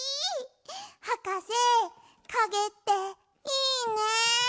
はかせかげっていいね！